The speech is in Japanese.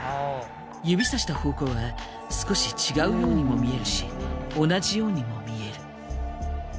指さした方向は少し違うようにも見えるし同じようにも見える。